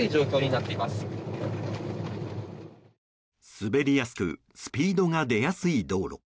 滑りやすくスピードが出やすい道路。